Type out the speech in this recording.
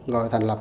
rồi thành lập